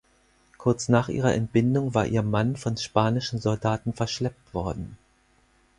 Kurz nach ihrer Entbindung war ihr Mann von spanischen Soldaten verschleppt worden.